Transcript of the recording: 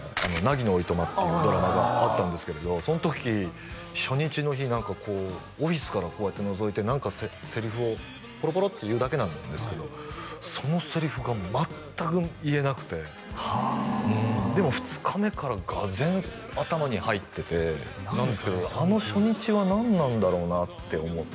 「凪のお暇」っていうドラマがあったんですけれどその時初日の日何かこうオフィスからこうやってのぞいて何かセリフをポロポロって言うだけなんですけどそのセリフが全く言えなくてでも２日目からがぜん頭に入っててあの初日は何なんだろうなって思う